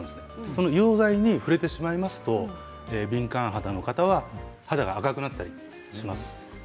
その溶剤に触れてしまうと敏感肌の方は肌が赤くなったりします。